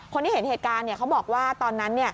คนที่เห็นเหตุการณ์เขาบอกว่าตอนนั้น